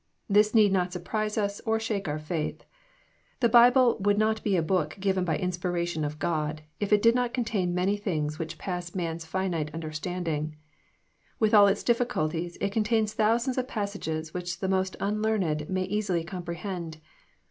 This need not surprise us, or shake our faith. The Bible would not be a book " given by inspiration of God," if it did not contain many things which pass man's finite understanding. With all its difficulties it contains thousands of passages which tbe most unlearned may easily comprehend.